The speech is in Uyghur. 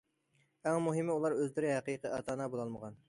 ئەڭ مۇھىمى، ئۇلار ئۆزلىرى ھەقىقىي ئاتا- ئانا بولالمىغان.